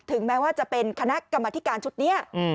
แม้ว่าจะเป็นคณะกรรมธิการชุดนี้